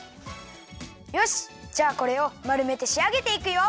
よしじゃあこれをまるめてしあげていくよ！